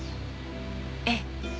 ええ。